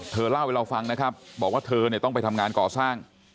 เล่าให้เราฟังนะครับบอกว่าเธอเนี่ยต้องไปทำงานก่อสร้าง